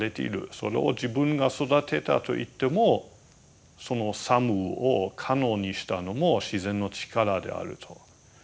それを自分が育てたといってもその作務を可能にしたのも自然の力であると。